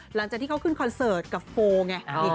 หลังจากที่เขาขึ้นคอนเสิร์ตกับโฟลไง